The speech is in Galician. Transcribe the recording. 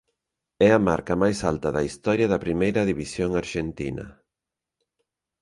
É a marca máis alta da historia da primeira división arxentina.